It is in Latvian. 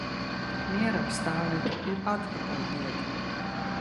Mierā stāvēt ir atpakaļ iet.